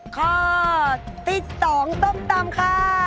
ข้อที่๒ต้มตำค่ะ